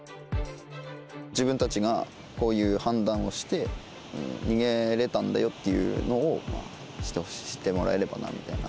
自分たちがこういう判断をして逃げれたんだよっていうのを知ってもらえればなみたいな。